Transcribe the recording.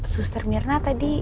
suster mirna tadi